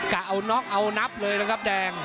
กะเอาน็อกเอานับเลยนะครับแดง